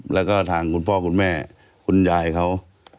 แล้วก็ทางคุณพ่อคุณแม่คุณยายเขา